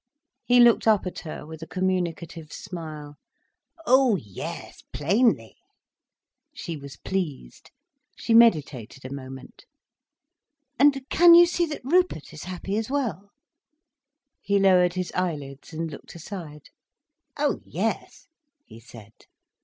He looked up at her with a communicative smile. "Oh yes, plainly." She was pleased. She meditated a moment. "And can you see that Rupert is happy as well?" He lowered his eyelids, and looked aside. "Oh yes," he said.